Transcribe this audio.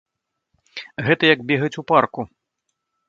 Гэта як бегаць у парку.